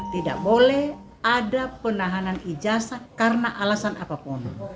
tidak boleh ada penahanan ijazah karena alasan apapun